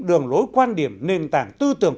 đường lối quan điểm nền tảng tư tưởng